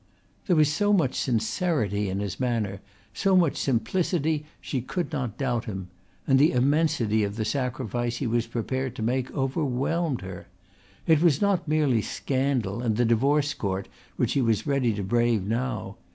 There was so much sincerity in his manner, so much simplicity she could not doubt him; and the immensity of the sacrifice he was prepared to make overwhelmed her. It was not merely scandal and the Divorce Court which he was ready to brave now.